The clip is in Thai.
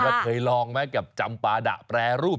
เคยลองไหมกับจำปาดะแปรรูป